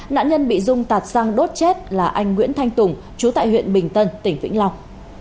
nạn nhân bị dung tạt sang đốt chết là anh nguyễn thanh tùng chú tại huyện bình tân tỉnh vĩnh long